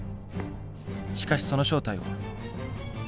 しかしその正体は。